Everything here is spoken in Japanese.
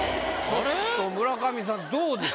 ちょっと村上さんどうですか？